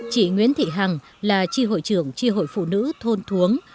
chị nguyễn thị hằng là tri hội trưởng tri hội phụ nữ thôn thuống